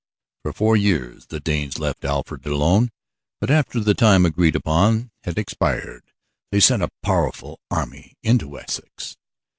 For four years the Danes left Alfred alone, but after the time agreed upon had expired they sent a powerful army into Wessex.